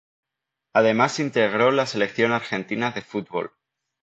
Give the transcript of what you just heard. Además integró la Selección Argentina de Fútbol.